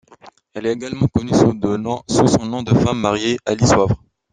Elle est également connue sous son nom de femme mariée, Alice Wavre.